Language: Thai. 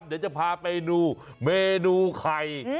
เดี๋ยวจะพาไปดูเมนูไข่